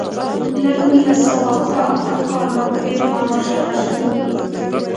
له نولس سوه اته اته کال را په دېخوا راشه درشه لرو.